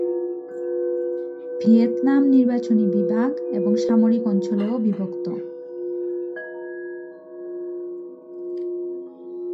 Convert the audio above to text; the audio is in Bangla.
ভিয়েতনাম নির্বাচনী বিভাগ এবং সামরিক অঞ্চলেও বিভক্ত।